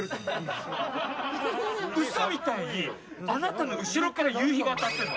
嘘みたいにあなたの後ろから夕日が当たってるの。